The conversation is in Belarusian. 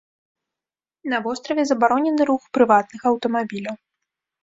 На востраве забаронены рух прыватных аўтамабіляў.